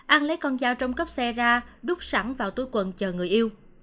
an lấy con dao trong cấp xe ra đút sẵn vào túi quần chờ người yêu